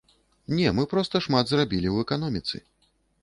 Не, мы проста шмат зрабілі ў эканоміцы.